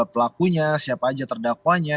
pelakunya siapa saja terdakwanya